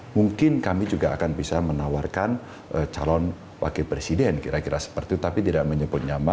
mungkin kami juga akan bisa menawarkan calon wakil presiden kira kira seperti itu tapi tidak menyebut nyaman